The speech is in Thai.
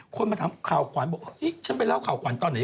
คนมาทำข่าวขวัญเขาบอกฉันไปเล่าข่าวขวัญตอนเนี่ย